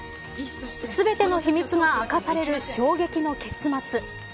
全ての秘密が明かされる衝撃の結末。